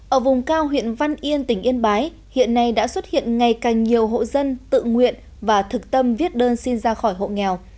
ở vùng cao huyện văn yên tỉnh yên bái hiện nay đã xuất hiện ngày càng nhiều hộ dân tự nguyện và thực tâm viết đơn xin ra khỏi hộ nghèo